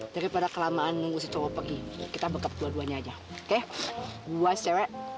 daripada kelamaan nunggu cowok kita bekap dua duanya aja oke gue